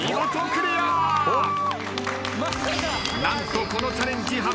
何とこのチャレンジ。